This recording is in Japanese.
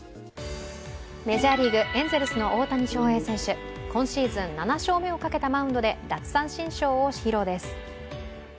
メジャーリーグ、エンゼルスの大谷翔平選手、今シーズン７勝目をかけたマウンドで奪三振ショーを披露です。